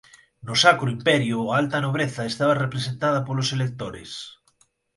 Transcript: No Sacro Imperio a alta nobreza estaba representada polos Electores.